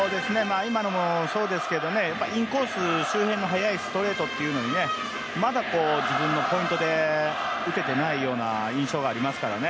今のもそうですけどね、インコース周辺の速いストレートにまだ、自分のポイントで打ててないような印象がありますからね